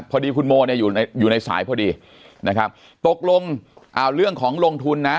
พอดีคุณโมเนี่ยอยู่ในสายพอดีนะครับตกลงเอาเรื่องของลงทุนนะ